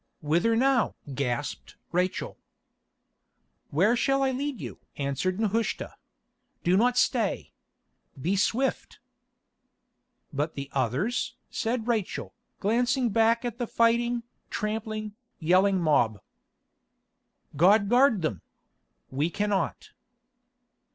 "Whither now?" gasped Rachel. "Where shall I lead you?" answered Nehushta. "Do not stay. Be swift." "But the others?" said Rachel, glancing back at the fighting, trampling, yelling mob. "God guard them! We cannot."